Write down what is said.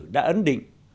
đã ấn định